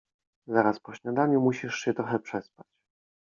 — Zaraz po śniadaniu musisz się trochę przespać.